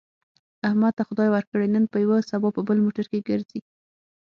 احمد ته خدای ورکړې، نن په یوه سبا په بل موټر کې ګرځي.